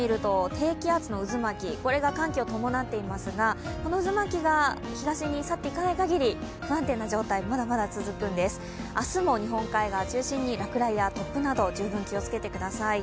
これが寒気を伴っていますが、この渦巻きが東に去っていかない限り、不安定な状態、まだまだ続くんです明日も日本海側を中心に落雷や突風など、十分に気をつけてください。